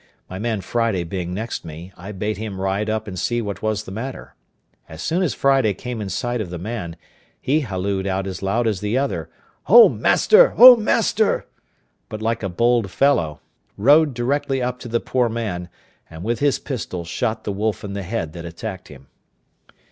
My man Friday being next me, I bade him ride up and see what was the matter. As soon as Friday came in sight of the man, he hallooed out as loud as the other, "O master! O master!" but like a bold fellow, rode directly up to the poor man, and with his pistol shot the wolf in the head that attacked him.